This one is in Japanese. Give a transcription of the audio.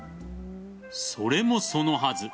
それもそのはず